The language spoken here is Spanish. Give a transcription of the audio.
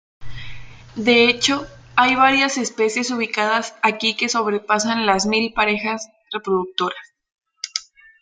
De hecho, hay varias especies ubicadas aquí que sobrepasan las mil parejas reproductoras.